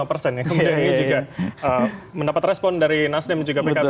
kemudian ini juga mendapat respon dari nasdem dan juga pkb